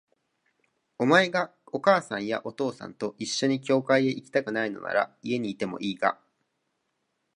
お前がお母さんやお父さんと一緒に教会へ行きたくないのなら、家にいてもいいが、